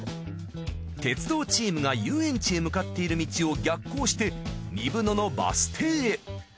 鉄道チームが遊園地へ向かっている道を逆行して仁豊野のバス停へ。